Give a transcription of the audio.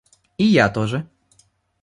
И я тоже.